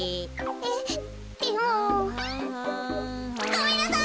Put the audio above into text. ごめんなさい！